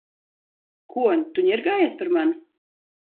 Ko? Tu ņirgājies par mani?!